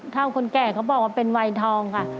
เท่าคนแก่เขาบอกว่าเป็นวัยทองค่ะ